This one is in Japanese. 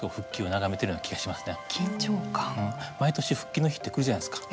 毎年復帰の日って来るじゃないですか。